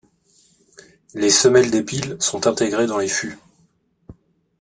Les semelles des piles sont intégrées dans les fûts.